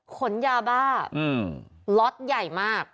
ขนยาบ้าล็อตใหญ่มาก